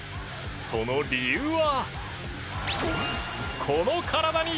その理由は。